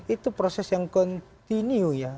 itu proses yang kontinu ya